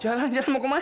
jalan jalan mau ke mana